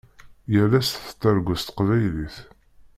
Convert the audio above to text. Yal ass tettargu s teqbaylit.